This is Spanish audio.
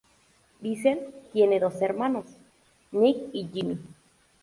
Vincent tiene dos hermanos: Nick y Jimmy.